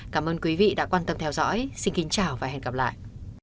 cảm ơn quý vị đã quan tâm theo dõi xin kính chào và hẹn gặp lại